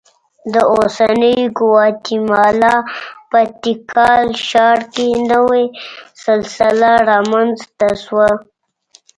د اوسنۍ ګواتیمالا په تیکال ښار کې نوې سلسله رامنځته شوه